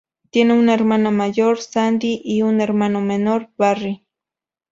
Tiene una hermana mayor, Sandi y un hermano menor, Barry.